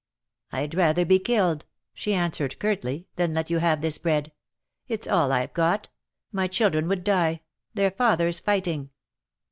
" I'd rather be killed," she answered curdy, "than let you have this bread. It's all I've got — my children would die — their father's fighting."